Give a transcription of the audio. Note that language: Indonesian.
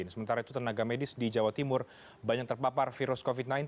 sementara itu tenaga medis di jawa timur banyak terpapar virus covid sembilan belas